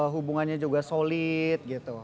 hubungannya juga solid gitu